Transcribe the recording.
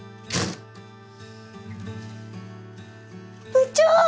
部長！